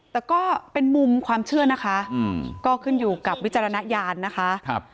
แต่ก็เป็นมุมความเชื่อนะคะก็ขึ้นอยู่กับวิจารณญาณนะคะ